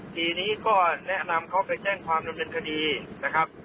ทีนี้ก็แนะนำเขาไปแจ้งความดำเนินคดีนะครับ